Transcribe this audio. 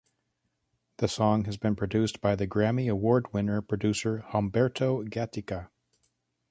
The song has been produced by the Grammy Award Winner producer Humberto Gatica.